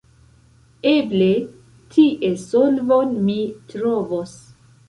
Eble tie solvon mi trovos